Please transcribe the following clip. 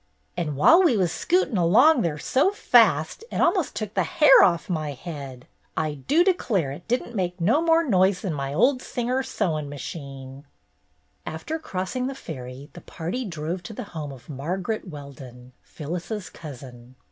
"An' w'ile we was scootin' along there so fast it a'most took the hair off my head, I do declare it did n't make no more noise 'n my old Singer sewin' machine!" 246 BETTY BAIRD'S GOLDEN YEAR After crossing the ferry, the party drove to the home of Margaret Weldon, Phyllis's cousin.